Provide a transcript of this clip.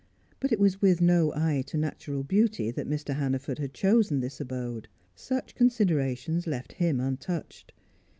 But it was with no eye to natural beauty that Mr. Hannaford had chosen this abode; such considerations left him untouched.